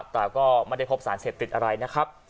แต่ก็ไม่ได้พบสารเสพติดอะไรนะครับ